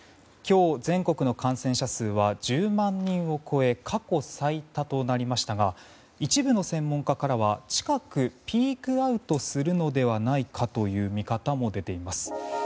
今日、全国の感染者数は１０万人を超え過去最多となりましたが一部の専門家からは近くピークアウトするのではないかという見方も出ています。